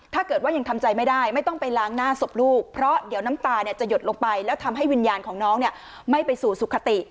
ถ้าเกิดว่ายังทำใจไม่ได้ไม่ต้องไปล้างหน้าศพลูกเพราะเดี๋ยวน้ำตาจะหยดลงไปแล้วทำให้วิญญาณของน้องเนี่ยไม่ไปสู่สุขติ